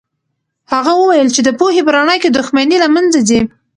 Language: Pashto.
هغه وویل چې د پوهې په رڼا کې دښمني له منځه ځي.